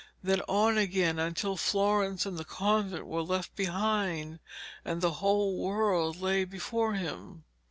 Then on again until Florence and the convent were left behind and the whole world lay before him.